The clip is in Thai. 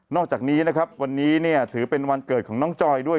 อกจากนี้นะครับวันนี้เนี่ยถือเป็นวันเกิดของน้องจอยด้วย